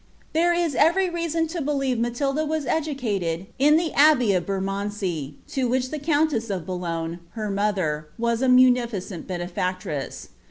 There is every reason to believe Matilda was educated in the abbey of Bermondsey, to which the countess of Boulogne, her mother, was a munificent benefitctress.